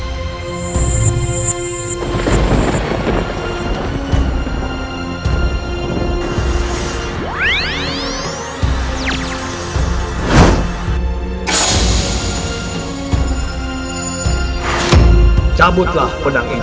baik akan ku cabut pedang ini